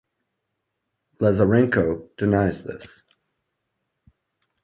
Lazarenko denies this.